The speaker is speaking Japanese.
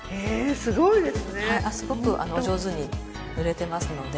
すごく上手に塗れてますので。